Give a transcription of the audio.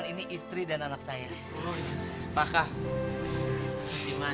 mas ini dua pemuda yang bapak ceritain tadi